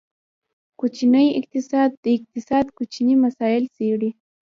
کوچنی اقتصاد، د اقتصاد کوچني مسایل څیړي.